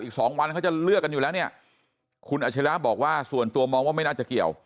อีกสองวันเขาจะเลือกกันอยู่แล้วเนี่ยคุณอาชิระบอกว่าส่วนตัวมองว่าไม่น่าจะเกี่ยว